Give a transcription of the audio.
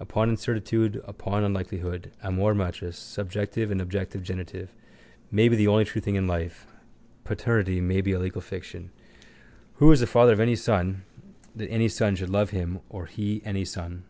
Upon incertitude, upon unlikelihood. Amor matris, subjective and objective genitive, may be the only true thing in life. Paternity may be a legal fiction. Who is the father of any son that any son should love him or he any son?